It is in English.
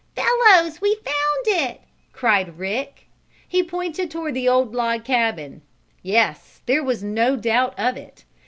"Fellows, we've found it!" cried Rick. He pointed toward the old log cabin. Yes, there was no doubt of it.